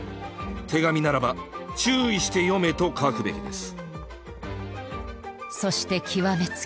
手紙ならば「注意して読め」と書くべきです